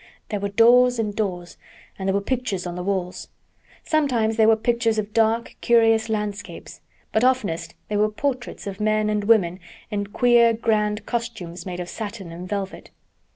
There were doors and doors, and there were pictures on the walls. Sometimes they were pictures of dark, curious landscapes, but oftenest they were portraits of men and women in queer, grand costumes made of satin and velvet.